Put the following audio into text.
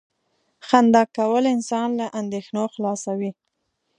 • خندا کول انسان له اندېښنو خلاصوي.